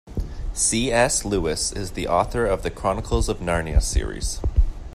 C.S. Lewis is the author of The Chronicles of Narnia series.